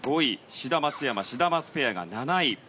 志田、松山シダマツペアが７位。